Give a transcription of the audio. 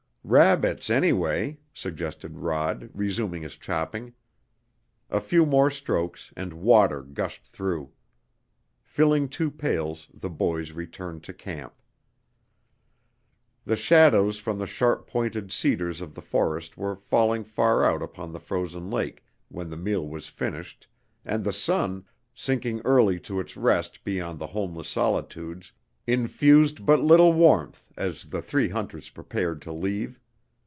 "Rabbits, anyway," suggested Rod, resuming his chopping. A few more strokes, and water gushed through. Filling two pails the boys returned to camp. The shadows from the sharp pointed cedars of the forest were falling far out upon the frozen lake when the meal was finished, and the sun, sinking early to its rest beyond the homeless solitudes, infused but little warmth as the three hunters prepared to leave.